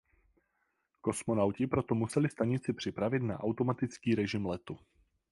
Kosmonauti proto museli stanici připravit na automatický režim letu.